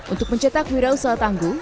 untuk mencetak wirausaha tangguh